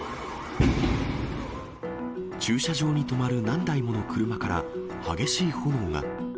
駐車場に止まる何台もの車から、激しい炎が。